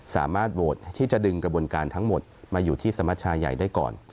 สามารถโหวตที่จะดึงกระบวนการทั้งหมดมาอยู่ที่สมัชชาใหญ่ได้ก่อน